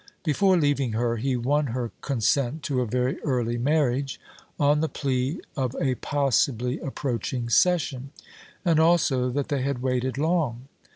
Before leaving her, he won her consent to a very early marriage; on the plea of a possibly approaching Session, and also that they had waited long.